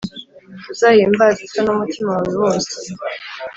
Uzahimbaze so n’umutima wawe wose,